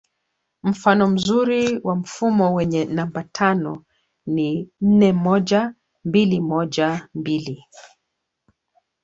Mfano mzuri wa mfumo wenye namba tano ni nne moja mbili moja mbili